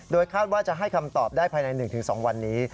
คาดว่าจะให้คำตอบได้ภายใน๑๒วันนี้